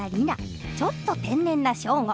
ちょっと天然な祥伍。